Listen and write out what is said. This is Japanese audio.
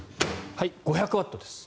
５００ワットです。